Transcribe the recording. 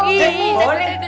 ih teg bawa aja